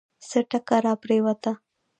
څه ټکه راپرېوته.